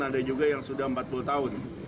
ada juga yang sudah empat puluh tahun